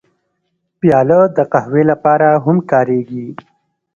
پیاله د قهوې لپاره هم کارېږي.